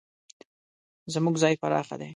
زموږ ځای پراخه ده